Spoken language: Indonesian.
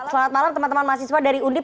selamat malam teman teman mahasiswa dari undip